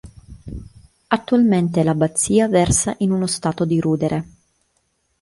Attualmente l'abbazia versa in uno stato di rudere.